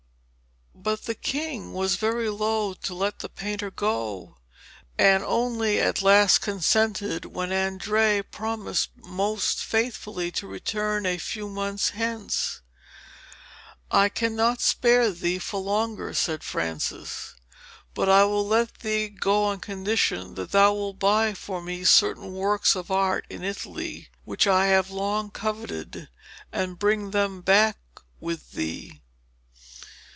But the king was very loth to let the painter go, and only at last consented when Andrea promised most faithfully to return a few months hence. 'I cannot spare thee for longer,' said Francis; 'but I will let thee go on condition that thou wilt buy for me certain works of art in Italy, which I have long coveted, and bring them back with thee.'